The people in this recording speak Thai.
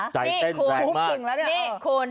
นี่คุณ